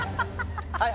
はい